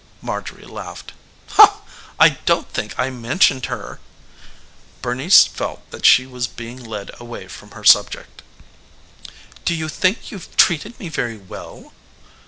Marjorie laughed. "I don't think I mentioned her." Bernice felt that she was being led away from her subject. "Do you think you've treated me very well?"